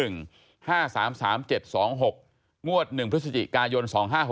๕๓๓๗๒๖งวด๑พฤศจิกายน๒๕๖๐